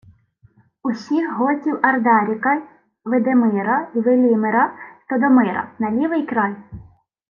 — Усіх готів Ардаріка, й Видимира, й Велімира, й Тодомира — на лівий край!